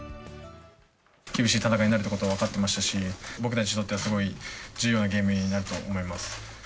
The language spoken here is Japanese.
厳しい戦いになるということは分かってましたし、僕たちにとってはすごい重要なゲームになると思います。